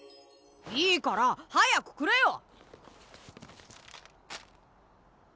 いいから早くくれよ！